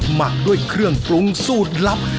หมักด้วยเครื่องปรุงสูตรลับ